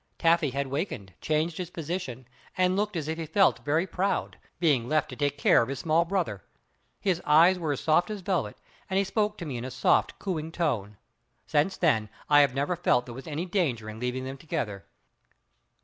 Taffy had wakened, changed his position, and looked as if he felt very proud, being left to take care of his small brother. His eyes were as soft as velvet, and he spoke to me in a soft, cooing tone. Since then I have never felt there was any danger in leaving them together.